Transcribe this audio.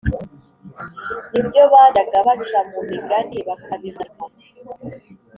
n’ibyo bajyaga baca mu migani bakabimwambika